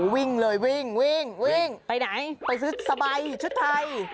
วิ่งเลยวิ่งวิ่งวิ่งไปไหนไปซื้อสบายชุดไทย